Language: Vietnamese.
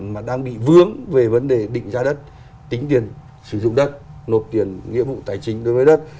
mà đang bị vướng về vấn đề định giá đất tính tiền sử dụng đất nộp tiền nghĩa vụ tài chính đối với đất